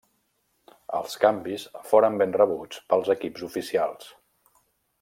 Els canvis foren ben rebuts pels equips oficials.